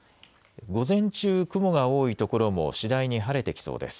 午前中、雲が多い所も次第に晴れてきそうです。